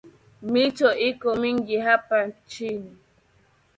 Mito iko mingi hapa nchini